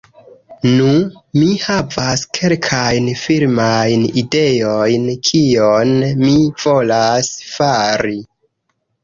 Nu, mi havas kelkajn filmajn ideojn kion mi volas fari